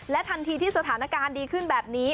ทันทีที่สถานการณ์ดีขึ้นแบบนี้